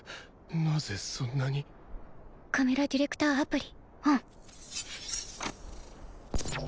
なぜそんなにカメラディレクターアプリオン